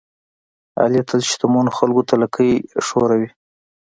علي تل شتمنو خلکوته لکۍ خوروي.